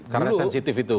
karena sensitif itu